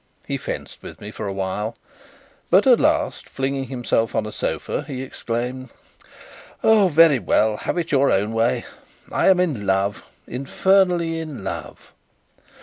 He fenced with me for a while, but at last, flinging himself on a sofa, he exclaimed: "Very well; have it your own way. I am in love infernally in love!"